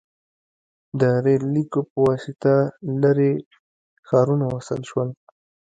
• د ریل لیکو په واسطه لرې ښارونه وصل شول.